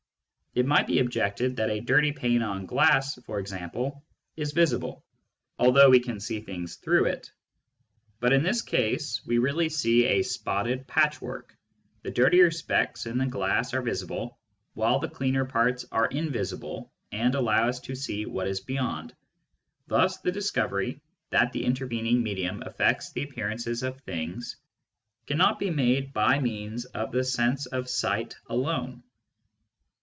It might be objected that a dirty pane of glass, for example, is visible although we can see things through it. But in this case we really see a spotted patchwork : the dirtier specks in the glass are visible, while the cleaner parts are invisible and allow us to see what is beyond. Thus the discovery that the intervening medium afFects the appear ances of things cannot be made by means of the sense of sight alone.